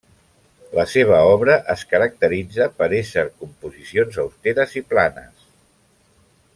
La seva obra es caracteritza per ésser composicions austeres i planes.